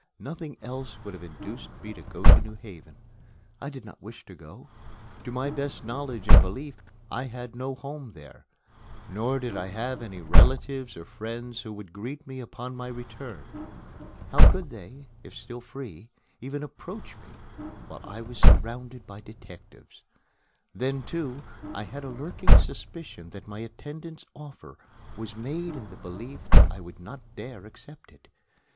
Nothing else would have induced me to go to New Haven. I did not wish to go. To my best knowledge and belief, I had no home there, nor did I have any relatives or friends who would greet me upon my return. How could they, if still free, even approach me while I was surrounded by detectives? Then, too, I had a lurking suspicion that my attendant's offer was made in the belief that I would not dare accept it.